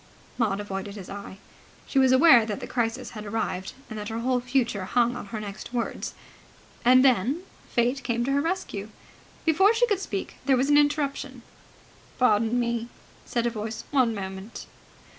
Maud avoided his eye. She was aware that the crisis had arrived, and that her whole future hung on her next words. And then Fate came to her rescue. Before she could speak, there was an interruption. "Pardon me," said a voice. "One moment!"